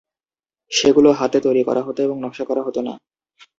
সেগুলো হাতে তৈরি করা হতো এবং নকশা করা হতো না।